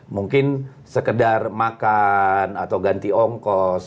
mungkin sekedar makan atau ganti ongkos